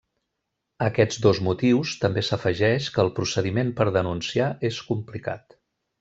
A aquests dos motius també s'afegeix que el procediment per denunciar és complicat.